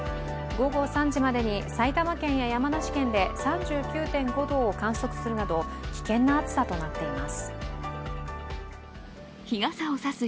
午後３時までに埼玉県や山梨県で３９．５度を観測するなど危険な暑さとなっています。